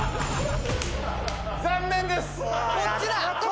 残念です。